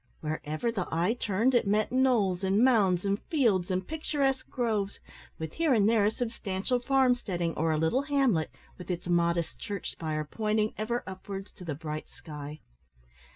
Wherever the eye turned, it met knolls, and mounds, and fields, and picturesque groves, with here and there a substantial farm steading, or a little hamlet, with its modest church spire pointing ever upwards to the bright sky.